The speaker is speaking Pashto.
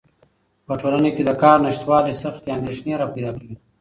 په ټولنه کې د کار نشتوالی سختې اندېښنې راپیدا کوي.